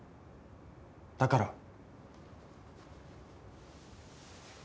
だから。